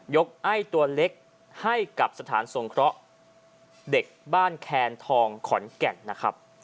ไอ้ตัวเล็กให้กับสถานสงเคราะห์เด็กบ้านแคนทองขอนแก่นนะครับ